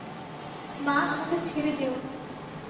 মা, আমাকে ছেড়ে যেয়ো না।